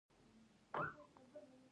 د بادامو د ونو ترمنځ فاصله څومره وي؟